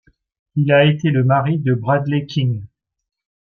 Il a été le mari de Bradley King.